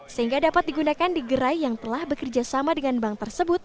sehingga dapat digunakan di gerai yang telah bekerja sama dengan bank tersebut